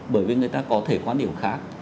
bởi vì người ta có thể quan điểm khác